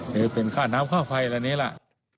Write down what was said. หรือเป็นค่าน้ำค่าไฟแบบนี้แหละ